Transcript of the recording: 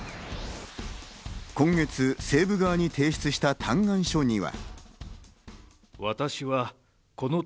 今月、西武側に提出した嘆願書には。